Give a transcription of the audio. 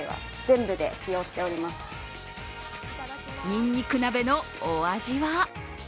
にんにく鍋のお味は？